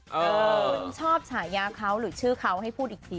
คุณชอบฉายาเขาหรือชื่อเขาให้พูดอีกที